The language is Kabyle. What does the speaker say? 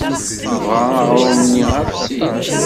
Tebɣa aɣrum-nni ɣef sin.